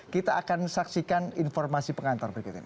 kita akan saksikan informasi pengantar berikut ini